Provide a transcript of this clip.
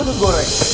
ini untuk goreng